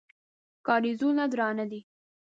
کارېزونه درانه دي.